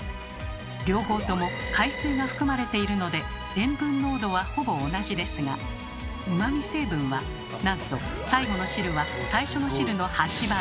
両方とも海水が含まれているので塩分濃度はほぼ同じですがうまみ成分はなんと最後の汁は最初の汁の８倍。